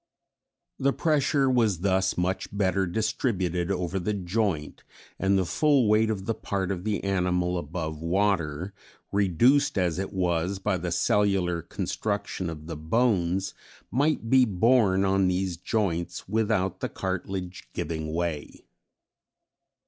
The pressure was thus much better distributed over the joint, and the full weight of the part of the animal above water (reduced as it was by the cellular construction of the bones) might be borne on these joints without the cartilage giving way.